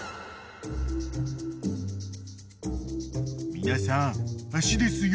［皆さん足ですよ］